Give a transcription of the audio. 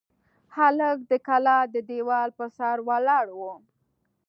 هلک د کلا د دېوال پر سر ولاړ و.